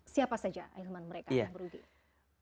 siapa saja ahilman mereka yang merugi